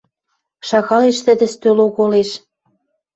Шагалеш тӹдӹ стӧл оголеш